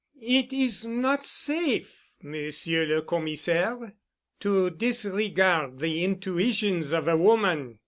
"It is not safe, Monsieur le Commissaire, to disregard the intuitions of a woman.